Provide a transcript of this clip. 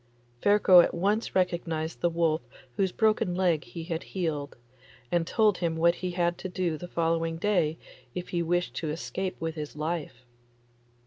Ferko at once recognised the wolf whose broken leg he had healed, and told him what he had to do the following day if he wished to escape with his life.